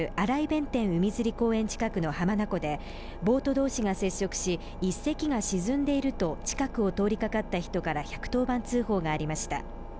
弁天海釣公園近くの浜名湖でボート同士が接触し１隻が沈んでいると近くを通りかかった人から１１０番通報がありました。